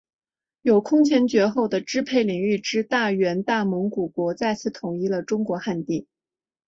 有空前绝后的支配领域之大元大蒙古国再次统一了中国汉地。